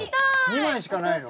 ２枚しかないの？